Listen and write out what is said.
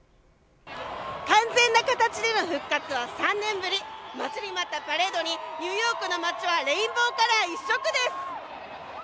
完全な形での復活は３年ぶり待ちに待ったパレードにニューヨークの街はレインボーカラー一色です。